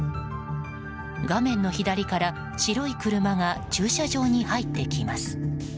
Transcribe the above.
画面の左から白い車が駐車場に入ってきます。